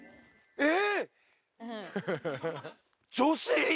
えっ？